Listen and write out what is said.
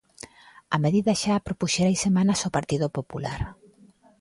A medida xa a propuxera hai semanas o Partido Popular.